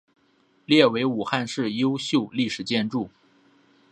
列为武汉市优秀历史建筑。